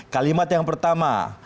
kalimat yang pertama